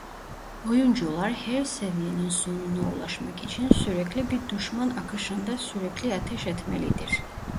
Oyuncular her seviyenin sonuna ulaşmak için sürekli bir düşman akışında sürekli ateş etmelidir.